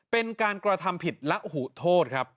เป็นการกระทำผิดและหูโทษครับ